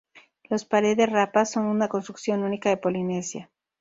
Los pare de Rapa son una construcción única en Polinesia.